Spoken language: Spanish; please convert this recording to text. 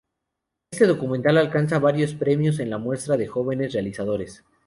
Este documental alcanza varios premios en la Muestra de Jóvenes Realizadores.